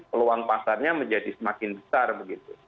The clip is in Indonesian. peluang pasarnya menjadi semakin besar begitu